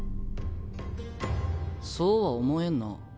そうは思えんな。